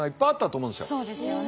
そうですよね。